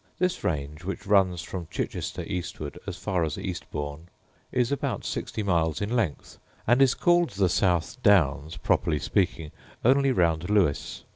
This range, which runs from Chichester eastward as far as East Bourn, is about sixty miles in length, and is called the South Downs, properly speaking, only round Lewes.